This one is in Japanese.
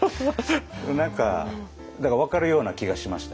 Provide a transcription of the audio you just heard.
何かだから分かるような気がしました。